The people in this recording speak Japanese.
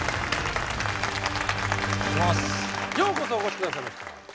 ようこそお越しくださいました。